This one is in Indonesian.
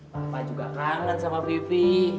mama juga kangen sama vivi